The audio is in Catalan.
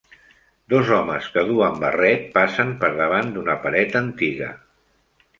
Dos homes que duen barret passen per davant d'una paret antiga.